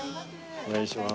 お願いします。